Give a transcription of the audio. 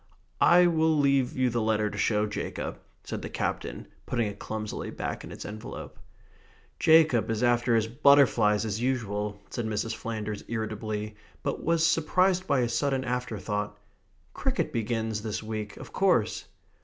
"I will leave you the letter to show Jacob," said the Captain, putting it clumsily back in its envelope. "Jacob is after his butterflies as usual," said Mrs. Flanders irritably, but was surprised by a sudden afterthought, "Cricket begins this week, of course."